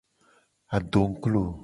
Adongglo.